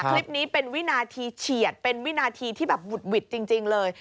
คลิปนี้เป็นวินาทีเฉียดเป็นวินาทีที่แบบบุดหวิดจริงเลย